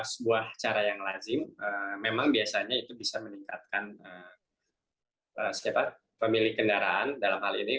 sebuah cara yang lazim memang biasanya itu bisa meningkatkan pemilik kendaraan dalam hal ini